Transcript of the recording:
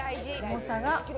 重さが。